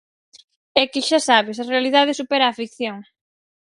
É que, xa sabes, a realidade supera a ficción.